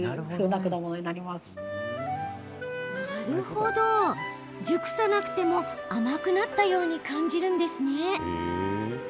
なるほど、熟さなくても甘くなったように感じるんですね。